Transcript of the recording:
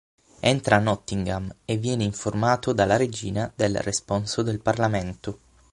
Entra Nottingham, e viene informato dalla Regina del responso del Parlamento.